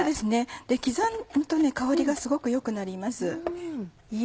刻むと香りがすごく良くなります。